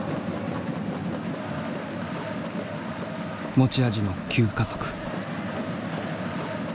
持ち味の急加速。